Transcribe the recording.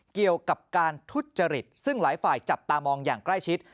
เกี่ยวกับการทุจริตซึ่งหลายฝ่ายจับตามองอย่างใกล้ชิด